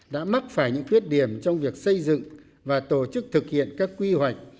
đã mắc phải những khuyết điểm trong việc xây dựng và tổ chức thực hiện các quy hoạch